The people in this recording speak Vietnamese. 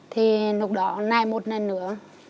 thì lúc đó nay một lần nữa